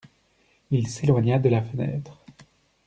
Il s'éloigna de la fenêtre.